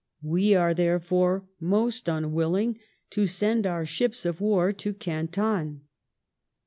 We are therefore most unwilling to send our ships of war to Canton.